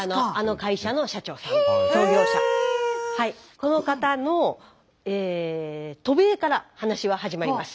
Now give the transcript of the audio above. この方の渡米から話は始まります。